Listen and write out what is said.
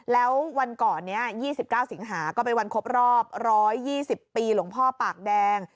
แล้ววันก่อนเนี้ยยี่สิบเก้าสิงหาก็เป็นวันครบรอบร้อยยี่สิบปีหลวงพ่อปากแดง